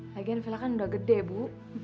lagian vela kan udah gede bu